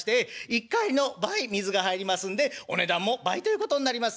一荷入りの倍水が入りますんでお値段も倍ということになります」。